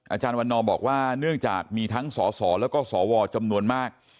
อาจารย์วันนอบอกว่าเนื่องจากมีทั้งสสแล้วก็สวจำนวนมาก